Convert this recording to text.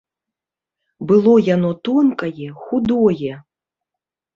Было яно тонкае, худое.